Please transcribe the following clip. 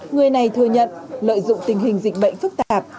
người này thừa nhận lợi dụng tình hình dịch bệnh phức tạp